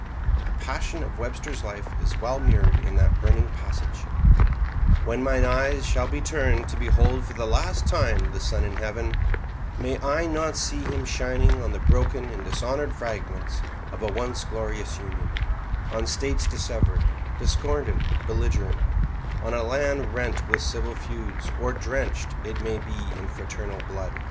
The passion of Webster's life is well mirrored in that burning passage: "When mine eyes shall be turned to behold for the last time the sun in heaven, may I not see him shining on the broken and dishonored fragments of a once glorious Union: on States dissevered, discordant, belligerent: on a land rent with civil feuds, or drenched, it may be, in fraternal blood.